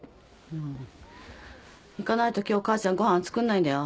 行かないと今日母ちゃんごはん作んないんだよ。